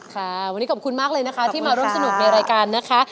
ค่ะวันนี้ขอบคุณมากเลยนะคะที่มาร่วมสนุกในรายการนะคะ